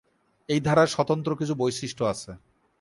এই ধারার স্বতন্ত্র কিছু বৈশিষ্ট্য আছে।